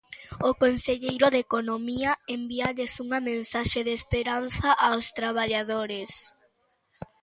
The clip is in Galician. O conselleiro de Economía envíalles unha mensaxe de esperanza aos traballadores.